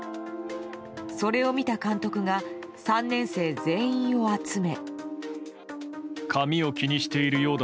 それを見た監督が３年生全員を集め。